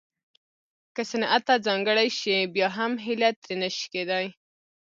که صنعت ته ځانګړې شي بیا هم هیله ترې نه شي کېدای